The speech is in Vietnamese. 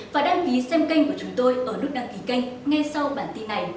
và đăng ký xem kênh của chúng tôi ở lúc đăng ký kênh ngay sau bản tin này